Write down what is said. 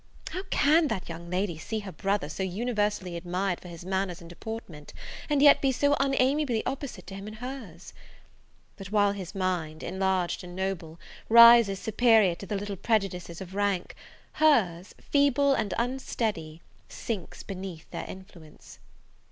How can that young lady see her brother so universally admired for his manners and deportment, and yet be so unamiably opposite to him in hers! but while his mind, enlarged and noble, rises superior to the little prejudices of rank, hers, feeble and unsteady, sinks beneath their influence.